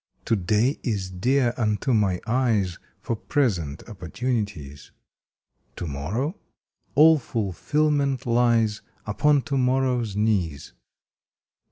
TO DAY is dear unto my eyes For present Opportunities. TO MORROW? All fulfilment lies Upon TO MORROW S knees.